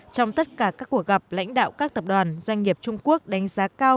trong tất cả các cuộc gặp lãnh đạo các tập đoàn doanh nghiệp trung quốc đánh giá cao